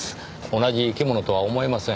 同じ生き物とは思えません。